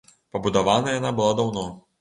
Пабудавана яна была даўно.